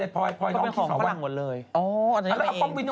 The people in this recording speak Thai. ปล่อย